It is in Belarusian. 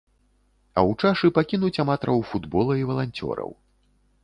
А ў чашы пакінуць аматараў футбола і валанцёраў.